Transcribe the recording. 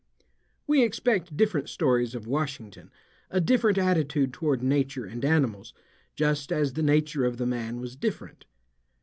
We expect different stories of Washington, a different attitude toward nature and animals, just as the nature of the man was different.